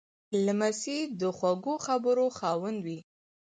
لمسی د خوږو خبرو خاوند وي.